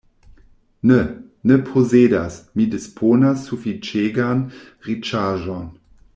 Ne, ne posedas, mi disponas sufiĉegan riĉaĵon.